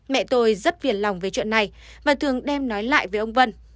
mẹ tôi rất phiền lòng về chuyện này và thường đem nói lại với ông vân